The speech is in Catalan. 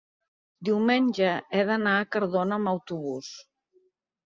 diumenge he d'anar a Cardona amb autobús.